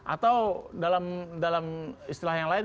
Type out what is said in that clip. atau dalam istilah yang lain